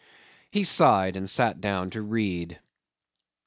He sighed and sat down to read.